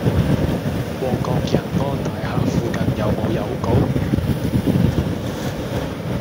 旺角仁安大廈附近有無郵局？